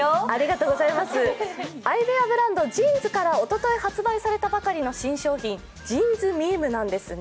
アイウエアブランド・ＪＩＮＳからおととい発売されたばかりの新商品、ＪＩＮＳＭＥＭＥなんですね。